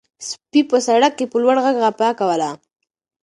سپي په سړک کې په لوړ غږ غپا کوله.